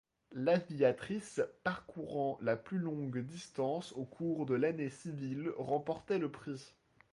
L'aviatrice parcourant la plus longue distance au cours de l'année civile remportait le prix.